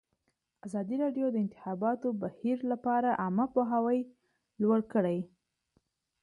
ازادي راډیو د د انتخاباتو بهیر لپاره عامه پوهاوي لوړ کړی.